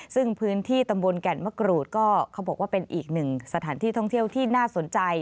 ซึ่งพื้นที่ตำบลแก่นมะกรูดก็เขาบอกว่าเป็นอีกหนึ่งสถานที่ท่องเที่ยวที่น่าสนใจ